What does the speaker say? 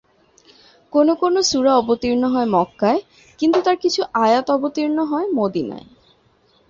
কোনো কোনো সূরা অবতীর্ণ হয় মক্কায়, কিন্তু তার কিছু আয়াত অবতীর্ণ হয় মদিনায়।